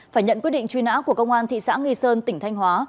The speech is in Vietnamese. phải nhận quyết định truy nã của công an thị xã nghi sơn tỉnh thanh hóa